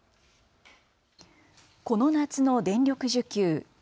この夏の電力受給。